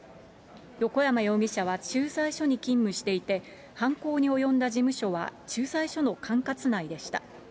横山容疑者は駐在所に勤務していて、犯行に及んだ事務所は駐在所の管轄内でした。